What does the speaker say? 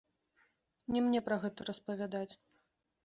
Не мне пра гэта распавядаць.